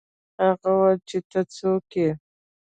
هغه وویل چې ته څوک یې.